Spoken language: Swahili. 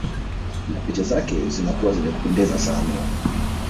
Na picha zake zinakuwa zenye kupendeza sana